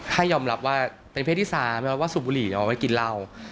ถ้ายอมรับว่าเป็นเพศที่๓ไม่รับว่าซูบบุหรี่เอาลงไปกินราว